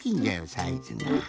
サイズが。